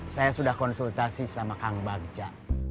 saya sudah konsultasi sama kang bagja